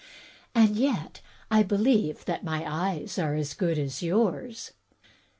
And yet I believe that my eyes are as good as yours."